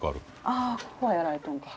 ああここをやられとんか。